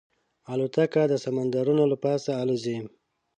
الوتکه د سمندرونو له پاسه الوزي.